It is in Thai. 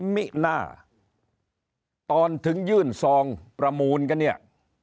มิน่าตอนถึงยื่นซองประมูลกันเนี่ย